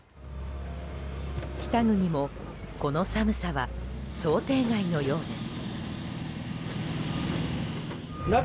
北国も、この寒さは想定外のようです。